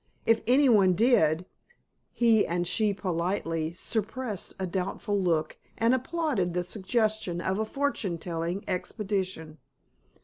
If anyone did, he and she politely suppressed a doubtful look and applauded the suggestion of a fortune telling expedition.